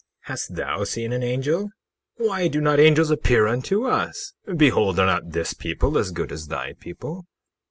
Hast thou seen an angel? Why do not angels appear unto us? Behold are not this people as good as thy people?